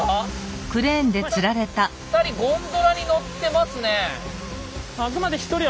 ２人ゴンドラに乗ってますね。